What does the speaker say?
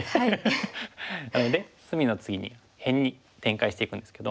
なので隅の次に辺に展開していくんですけど。